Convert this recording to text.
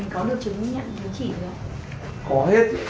cái này thì mình có được chứng nhận đối chỉ không ạ